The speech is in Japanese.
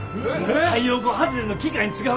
太陽光発電の機械に使うねじや。